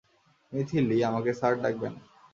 মিথিলি, আমাকে স্যার ডাকবে না।